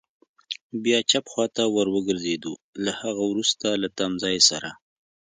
بیا چپ خوا ته ور وګرځېدو، له هغه وروسته له تمځای سره.